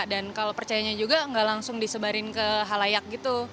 dan kalau percayanya juga nggak langsung disebarin ke halayak gitu